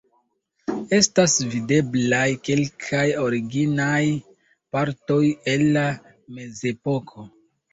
Estas videblaj kelkaj originaj partoj el la mezepoko.